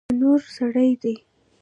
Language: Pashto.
منور سړی دی.